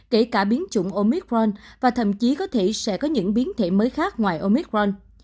kể cả biến chủng omithron và thậm chí có thể sẽ có những biến thể mới khác ngoài omicron